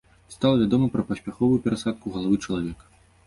Стала вядома пра паспяховую перасадку галавы чалавека.